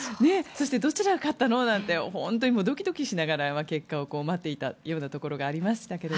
どちらが勝ったの？なんてドキドキしながら結果を待っていたようなところがありましたが。